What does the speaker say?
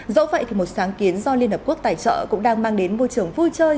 dẫu vậy thì một sáng kiến do liên hợp quốc tài trợ cũng đang mang đến môi trường vui chơi